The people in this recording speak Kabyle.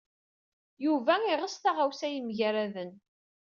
Yuba yeɣs taɣawsa yemgerraden.